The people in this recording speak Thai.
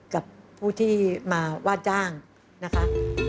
กับผู้ที่มาว่าจ้างนะคะ